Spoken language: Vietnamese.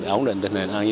ổn định tình hình